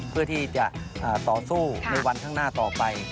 เพื่อที่จะต่อสู้ในวันข้างหน้าต่อไป